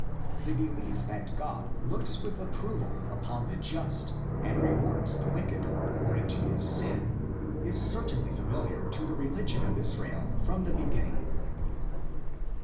The belief that God looks with approval upon the just and rewards the wicked according to his sin is certainly familiar to the religion of Israel from the beginning (cp.